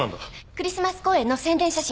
クリスマス公演の宣伝写真。